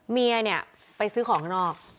เมียเนี่ยไปซื้อของข้างนอก